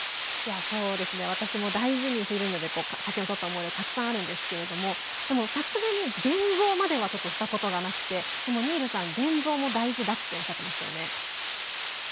私も大事にフィルムで写真を撮った思い出たくさんあるんですがさすがに現像まではしたことなくてでもニールさん現像も大事だっておっしゃってましたね。